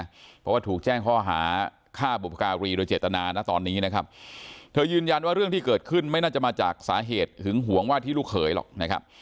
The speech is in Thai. เพราะว่าถูกแจ้งข้อหาฆ่าบุพการีโดยเจตนานะตอนนี้นะครับเธอยืนยันว่าเรื่องที่เกิดขึ้นไม่น่าจะมาจากสาเหตุหึงหวงว่าที่ลูกเขยหรอกนะครับ